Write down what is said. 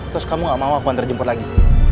terus kamu gak mau aku nganter jemput lagi